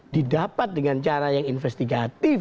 didapat dengan cara yang investigatif